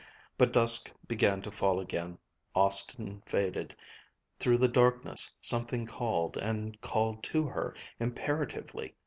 But dusk began to fall again; Austin faded; through the darkness something called and called to her, imperatively.